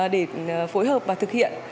để phối hợp và thực hiện